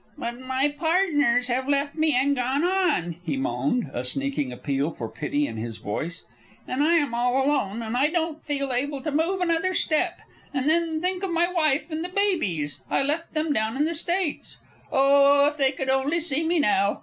"But my partners have left me and gone on," he moaned, a sneaking appeal for pity in his voice. "And I am all alone, and I don't feel able to move another step. And then think of my wife and babies. I left them down in the States. Oh, if they could only see me now!